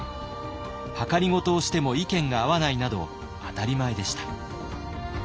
はかりごとをしても意見が合わないなど当たり前でした。